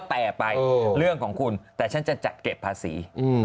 แต่ไปเรื่องของคุณแต่ฉันจะจัดเก็บภาษี